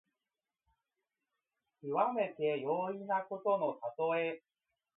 きわめて容易なことのたとえ。